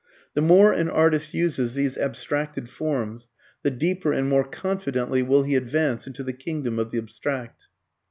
The more an artist uses these abstracted forms, the deeper and more confidently will he advance into the kingdom of the abstract.